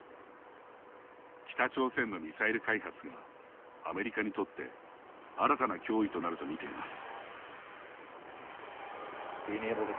北朝鮮のミサイル開発がアメリカにとって新たな脅威となると見ています。